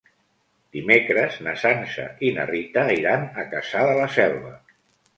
Dimecres na Sança i na Rita iran a Cassà de la Selva.